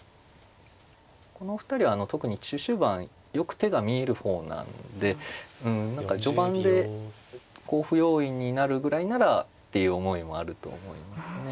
このお二人は特に中終盤よく手が見える方なんで何か序盤でこう不用意になるぐらいならっていう思いもあると思いますね。